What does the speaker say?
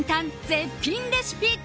絶品レシピ。